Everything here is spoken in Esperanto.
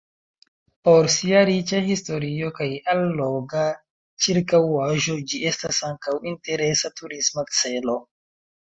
Por sia riĉa historio kaj alloga ĉirkaŭaĵo ĝi estas ankaŭ interesa turisma celo.